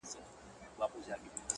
خو زه!